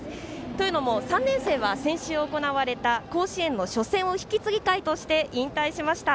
というのも３年生は先週行われた甲子園の初戦を引き継ぎ会として引退しました。